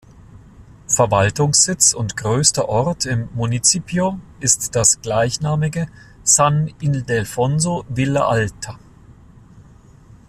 Verwaltungssitz und größter Ort im Municipio ist das gleichnamige San Ildefonso Villa Alta.